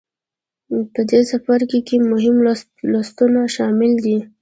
په دې څپرکې کې مهم لوستونه شامل دي.